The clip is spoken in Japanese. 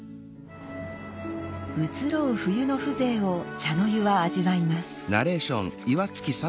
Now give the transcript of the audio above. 移ろう冬の風情を茶の湯は味わいます。